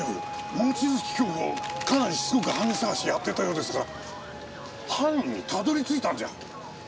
望月京子はかなりしつこく犯人捜しやってたようですから犯人にたどり着いたんじゃ。